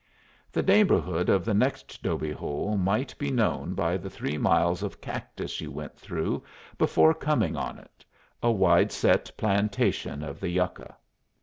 The neighborhood of the next 'dobe hole might be known by the three miles of cactus you went through before coming on it, a wide set plantation of the yucca.